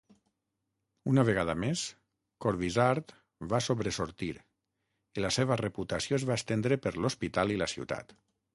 Una vegada més, Corvisart va sobresortir i la seva reputació es va estendre per l'hospital i la ciutat.